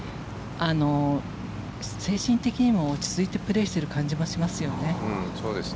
精神的にも落ち着いてプレーしてる感じがしますよね。